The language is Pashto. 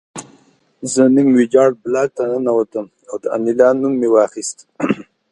زه نیم ویجاړ بلاک ته ننوتم او د انیلا نوم مې واخیست